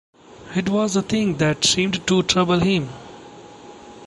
It was a thing that seemed to trouble him.